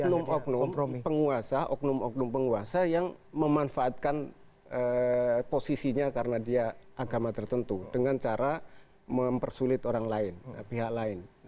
oknum oknum penguasa oknum oknum penguasa yang memanfaatkan posisinya karena dia agama tertentu dengan cara mempersulit orang lain pihak lain